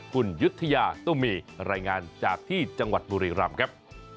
คุณยุธยาตุ้มีรายงานจากที่จังหวัดบุรีรำครับ